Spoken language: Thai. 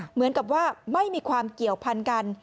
เหมือนกับว่าไม่มีความเกี่ยวพันกัน